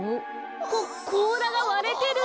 ここうらがわれてる！